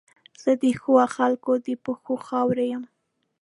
زه د ښو خلګو د پښو خاورې یم.